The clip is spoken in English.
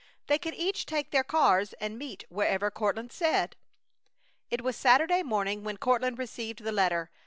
They could each take their cars and meet wherever Courtland said. It was Saturday morning when Courtland received the letter.